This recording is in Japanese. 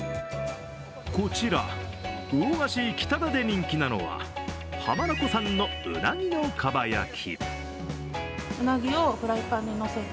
こちら、魚がし北田で人気なのは浜名湖産のうなぎの蒲焼き。